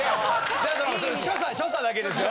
だから所作だけですよ。